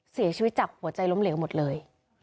เสียชีวิตจากหัวใจล้มเหลวหมดเลย